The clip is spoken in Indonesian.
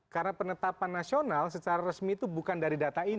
karena penetapan nasional secara resmi itu bukan dari data ini